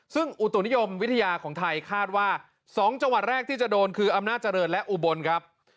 ซึ่งอุตุนิยมวิทยาของไทยคาดว่า๒จังหวัดแรกที่จะโดนคืออำนาจเจริญและอุบลครับ